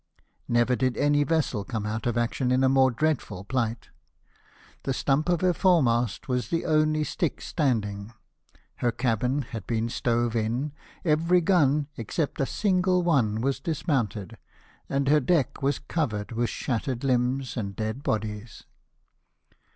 Never did any vessel come out of action in a more dreadful plight. The stump of her foremast was the only stick standing ; her cabin had been stove in ; every gun, except a single one, was dismounted ; and her deck was covered with shattered limbs and dead bodies.